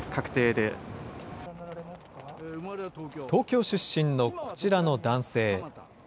東京出身のこちらの男性。